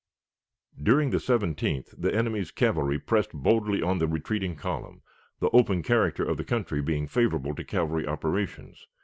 During the 17th the enemy's cavalry pressed boldly on the retreating column, the open character of the country being favorable to cavalry operations.